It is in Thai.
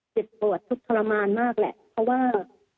เจ็บปวดทุกข์ทรมานมากแหละเพราะว่า